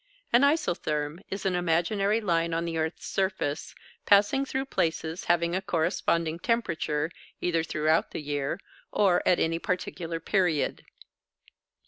An isotherm is an imaginary line on the earth's surface, passing through places having a corresponding temperature either throughout the year or at any particular period.